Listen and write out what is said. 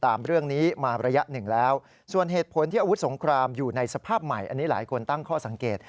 อันนี้หลายคนตั้งข้อสังเกต